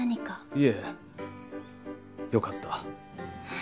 いえよかった